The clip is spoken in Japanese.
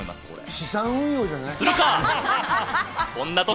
資産運用じゃない？